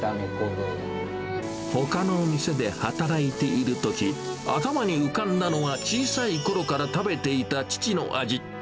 ほかの店で働いているとき、頭に浮かんだのは、小さいころから食べていた父の味。